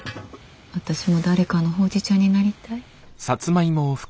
私も誰かのほうじ茶になりたい。